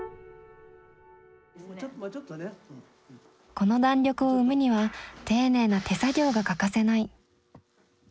この弾力を生むには丁寧な手作業が欠かせない。